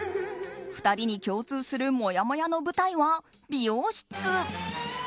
２人に共通するもやもやの舞台は美容室。